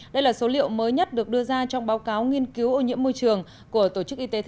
đây là số liệu mới nhất được đưa ra trong báo cáo nghiên cứu ô nhiễm môi trường của tổ chức y tế thế giới